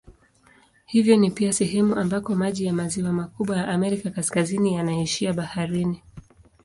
Hivyo ni pia sehemu ambako maji ya maziwa makubwa ya Amerika Kaskazini yanaishia baharini.